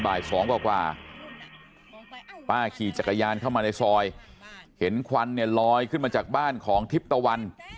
บ่าย๒กว่าป้าขี่จักรยานเข้ามาในซอยเห็นควันเนี่ยลอยขึ้นมาจากบ้านของทิพย์ตะวัน